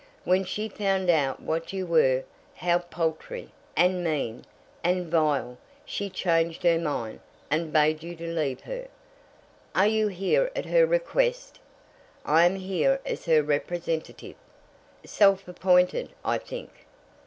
When she found out what you were, how paltry, and mean, and vile, she changed her mind, and bade you leave her." "Are you here at her request?" "I am here as her representative." "Self appointed, I think."